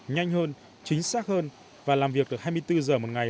nhanh hơn chính xác hơn và làm việc được hai mươi bốn giờ một ngày là ưu việt mà robot mang lại